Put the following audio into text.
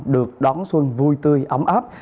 được đón xuân vui tươi ấm áp